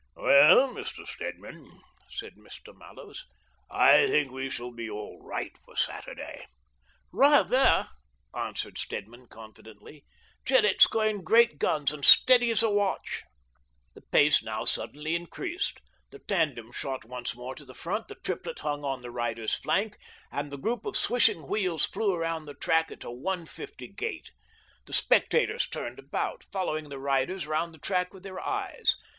" Well, Mr. Stedman," said Mr. Mallows, " I think we shall be all right for Saturday." " Kather !" answered Stedman confidently. " Gil lett's going great guns, and steady as a watch !" The pace now suddenly increased. The tandem shot once more to the front, the triplet hung on the rider's flank, and the group of swishing wheels flew round the track at a "one fifty" gait. The spectators turned about, follow ing the riders round the track with their eyes.